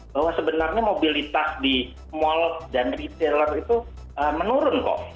bahwa sebenarnya mobilitas di mall dan retailer itu menurun kok